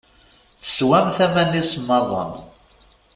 Teswamt aman isemmaḍen.